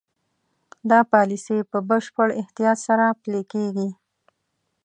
دا پالیسي په بشپړ احتیاط سره پلي کېږي.